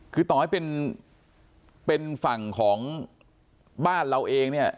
คือต่อให้เป็นฝั่งของบ้านเราเองเนี่ย